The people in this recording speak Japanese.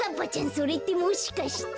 それってもしかして。